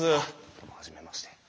どうも初めまして。